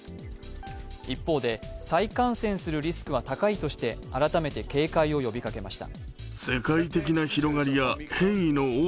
一方で再感染するリスクは高いとして改めて警戒を呼びかけました。